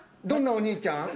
どんなお兄ちゃん？